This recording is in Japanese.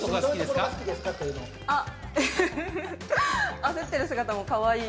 ふふふ、焦ってる姿もかわいい。